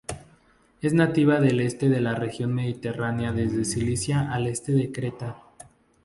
Es nativa del este de la región mediterránea desde Sicilia al este de Creta.